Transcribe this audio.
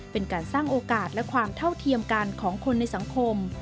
เป็นการสร้างโอกาสและความเท่าเทียมกันของคนในสังคม